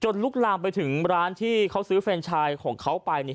ลุกลามไปถึงร้านที่เขาซื้อแฟนชายของเขาไปเนี่ย